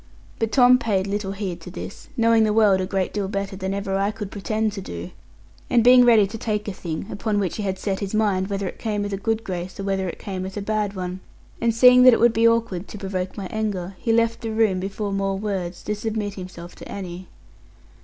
But Tom paid little heed to this, knowing the world a great deal better than ever I could pretend to do; and being ready to take a thing, upon which he had set his mind, whether it came with a good grace, or whether it came with a bad one. And seeing that it would be awkward to provoke my anger, he left the room, before more words, to submit himself to Annie.